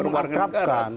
bukan masalah mengakrabkan